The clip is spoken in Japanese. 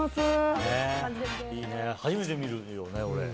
初めて見るけどね、俺。